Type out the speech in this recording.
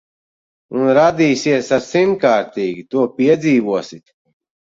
Un radīsies ar simtkārtīgi. To piedzīvosit.